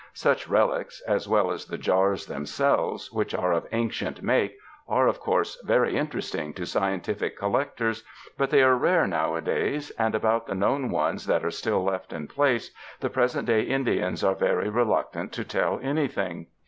Such relics, as well as the jars them selves, which are of ancient make, are, of course, very interesting to scientific collectors, but they are rare nowadays, and about the known ones that are still left in place the present day Indians are very reluctant to tell anything.